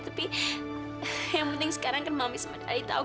tapi yang penting sekarang kan mami semedari tahu